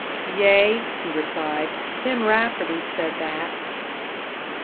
"Yea," he replied, "Tim Rafferty said that."